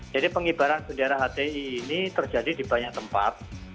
jadi pengibaran bendera hti ini terjadi di banyak tempat